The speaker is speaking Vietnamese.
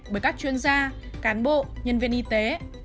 bởi các chuyên gia cán bộ nhân viên y tế